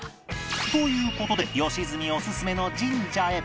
という事で良純オススメの神社へ